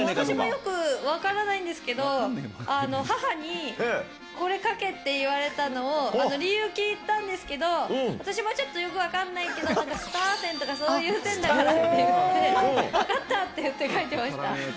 私もよく分からないんですけど、母にこれ書けって言われたのを、理由を聞いたんですけど、私もちょっとよく分かんないけど、なんかスター線とかそういう線だからっていって、分かったって言って書いてました。